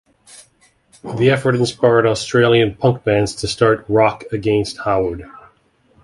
The effort inspired Australian punk bands to start Rock Against Howard.